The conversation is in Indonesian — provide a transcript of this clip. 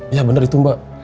iya benar itu mbak